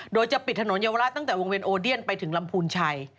โดยจะปิดถนนเยาวราชตั้งแต่วงเวียนโอเดียนไปถึงลำพูนชัย